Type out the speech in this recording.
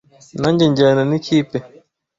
Nanjye njyana n'ikipe.